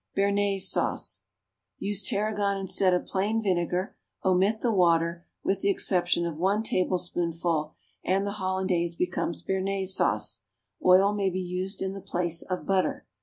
=Bernaise Sauce.= Use tarragon instead of plain vinegar, omit the water, with the exception of one tablespoonful, and the hollandaise becomes bernaise sauce. Oil may be used in the place of butter.